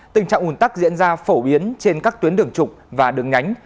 tình trạng ủn tắc diễn ra phổ biến trên các tuyến đường trục và đường nhánh